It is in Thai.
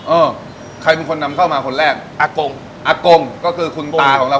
เออใครเป็นคนนำเข้ามาคนแรกอากงอากงก็คือคุณตาของเรา